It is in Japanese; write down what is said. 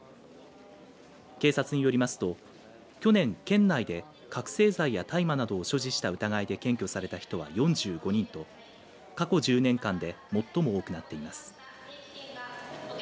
警察によりますと去年、県内で覚醒剤や大麻などを所持した疑いで検挙された人は４５人と過去１０年間で最も多くなっています。